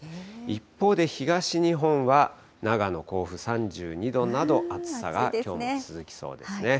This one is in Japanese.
一方で、東日本は長野、甲府３２度など、暑さがきょうも続きそうですね。